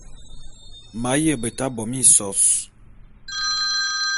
M’ aye beta bo minsos.